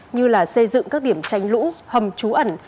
như xây dựng các điểm tránh lũ hầm trú ẩn